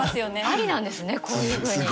ありなんですねこういうふうに。